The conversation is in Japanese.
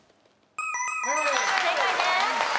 正解です。